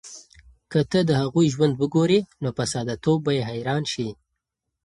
که ته د هغوی ژوند وګورې، نو په ساده توب به یې حیران شې.